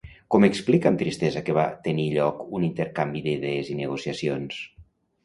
Com explica amb tristesa que va tenir lloc un intercanvi d'idees i negociacions?